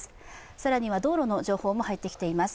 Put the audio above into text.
更には道路の情報も入ってきています。